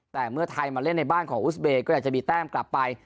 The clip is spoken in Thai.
แต่เมื่อไทยมาเล่นในบ้านของอุสเบย์ก็อยากจะมีแต้มกลับไป